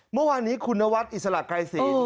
เมื่อวานนี้คุณนวัดอิสระไกรศีล